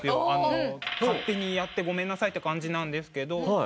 勝手にやってごめんなさいって感じなんですけど。